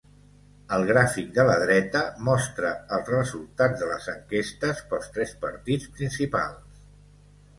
El gràfic de la dreta mostra els resultats de les enquestes pels tres partits principals.